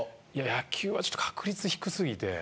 野球はちょっと確率低すぎて。